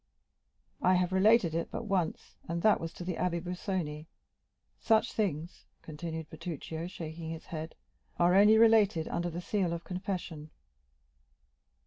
"I have related it but once, and that was to the Abbé Busoni. Such things," continued Bertuccio, shaking his head, "are only related under the seal of confession."